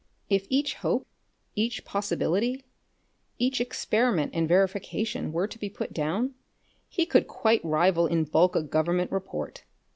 If each hope, each possibility, each experiment and verification were to be put down, he could quite rival in bulk a government report.